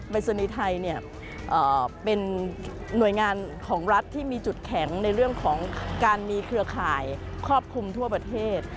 ศนีย์ไทยเป็นหน่วยงานของรัฐที่มีจุดแข็งในเรื่องของการมีเครือข่ายครอบคลุมทั่วประเทศ